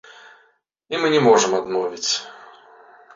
І мы не можам адмовіць.